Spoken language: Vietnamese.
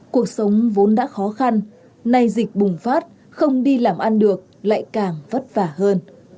cuộc sống vốn đã khó khăn nay dịch bùng phát không đi làm ăn được lại càng vất vả hơn